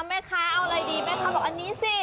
แม่ค้าเอาอะไรดีแม่ค้าบอกอันนี้สิ